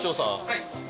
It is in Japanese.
はい。